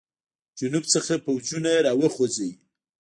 جنوب څخه پوځونه را وخوځوي.